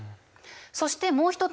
そしてもう一つ